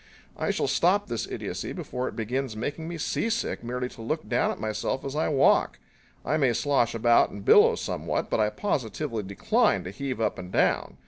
I shall stop this idiocy before it begins making me seasick merely to look down at myself as I walk. I may slosh about and billow somewhat, but I positively decline to heave up and down.